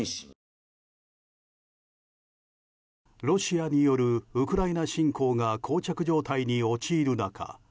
ロシアによるウクライナ侵攻が膠着状態に陥る中